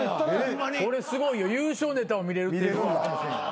これすごいよ優勝ネタを見れるってことかも。